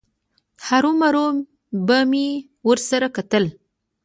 هرومرو به مې ورسره کتل.